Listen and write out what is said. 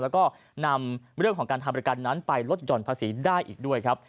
แล้วก็นำเรื่องของการทำประกันนั้นไปลดหย่อนภาษีได้อีกด้วยครับ